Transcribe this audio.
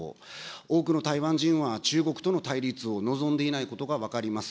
多くの台湾人は、中国との対立を望んでいないことが分かります。